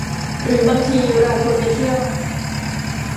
หรือบางทีเราควรไปเที่ยว